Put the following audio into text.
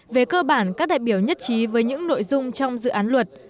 về cơ bản các đại biểu nhất trí với những nội dung trong dự án luật